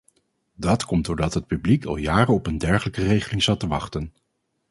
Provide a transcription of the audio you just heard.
Dat komt doordat het publiek al jaren op een dergelijke regeling zat te wachten.